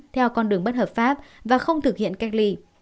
theo con đường bất hợp pháp và không thực hiện cách ly